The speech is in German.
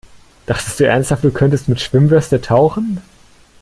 Dachtest du ernsthaft, du könntest mit Schwimmweste tauchen?